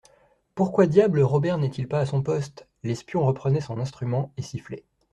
Pourquoi, diable, Robert n'est-il pas à son poste ? L'espion reprenait son instrument et sifflait.